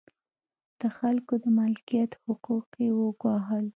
د خلکو د مالکیت حقوق یې وګواښل.